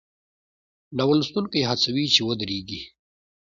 ناول لوستونکی هڅوي چې ودریږي.